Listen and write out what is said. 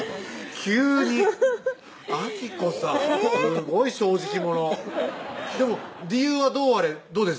急に明子さんすごい正直者でも理由はどうあれどうです？